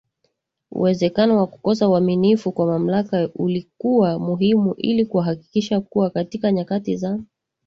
uwezekano wa kukosa uaminifu kwa mamlaka Ilikuwa muhimu ili kuhakikisha kuwa katika nyakati za